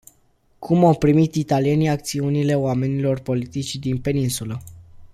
Cum au primit italienii acțiunile oamenilor politici din peninsulă.